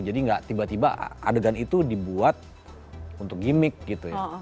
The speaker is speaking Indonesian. jadi gak tiba tiba adegan itu dibuat untuk gimmick gitu ya